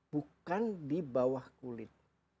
bukan di bawah kulit